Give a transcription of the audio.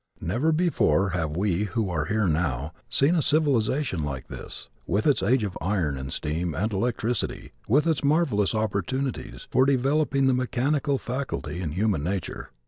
Never before have we who are now here seen a civilization like this, with its age of iron and steam and electricity, with its marvelous opportunities for developing the mechanical faculty in human nature.